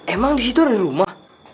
emang disitu ada rumah